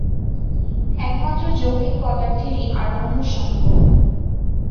একমাত্র যৌগিক পদার্থেরই আরম্ভ সম্ভব।